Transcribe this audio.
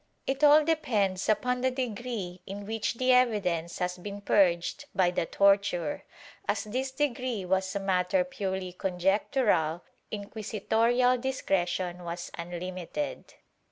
It all depends upon the degree in which the evidence has been purged by the tortiu e.* As this degree was a matter purely conjectural, inquisitorial discretion was unlimited.